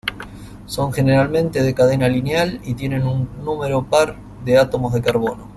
Son generalmente de cadena lineal y tienen un número par de átomos de carbono.